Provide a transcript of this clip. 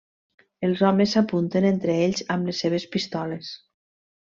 Els homes s'apunten entre ells amb les seves pistoles.